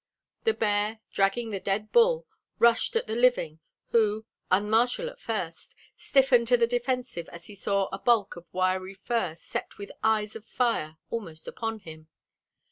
The bear, dragging the dead bull, rushed at the living, who, unmartial at first, stiffened to the defensive as he saw a bulk of wiry fur set with eyes of fire, almost upon him.